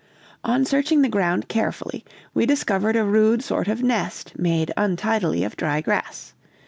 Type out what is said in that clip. "On searching the ground carefully, we discovered a rude sort of nest made untidily of dry grass.